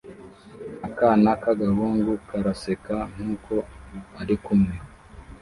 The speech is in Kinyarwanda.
Akana k'agahungu karaseka nkuko arikumwe